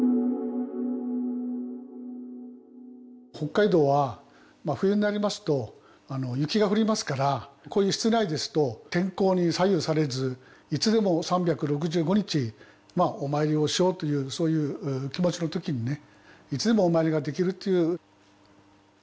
北海道は真冬になりますと雪が降りますからこういう室内ですと天候に左右されずいつでも３６５日お参りをしようというそういう気持ちのときにねいつでもお参りができるという。